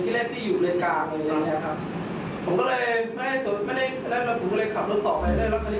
ก็แบบว่าอยากให้เขาอารมณ์แบบเย็นลงหน่อยอะไรอย่างนี้